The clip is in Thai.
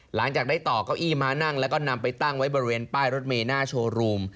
หลังจากได้ต่อเก้าอี้ม้านั่งแล้วก็นำไปตั้งไว้บริเวณป้ายรถเมย์หน้าโชว์รูม